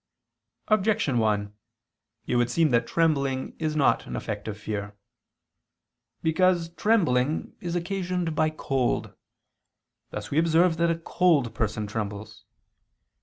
Objection 1: It would seem that trembling is not an effect of fear. Because trembling is occasioned by cold; thus we observe that a cold person trembles.